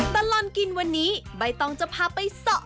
ตลอดกินวันนี้ใบตองจะพาไปเสาะ